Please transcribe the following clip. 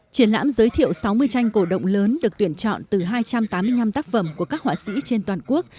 triển lãm giới thiệu sáu mươi tranh cổ động lớn được tuyển chọn từ hai trăm tám mươi năm tác phẩm của các họa sĩ trên toàn quốc